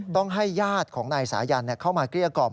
ต้องให้ญาติของนายสายันเข้ามาเกลี้ยกล่อม